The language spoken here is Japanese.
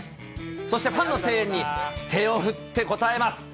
そしてファンの声援に手を振って応えます。